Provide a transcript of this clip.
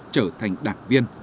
trở thành đảng viên